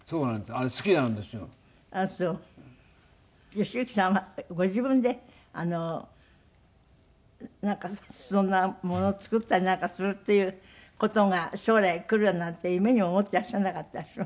善行さんはご自分でそんなもの作ったりなんかするっていう事が将来くるだなんて夢にも思ってらっしゃらなかった？